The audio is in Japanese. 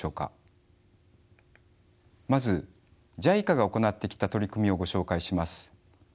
まずＪＩＣＡが行ってきた取り組みをご紹介します。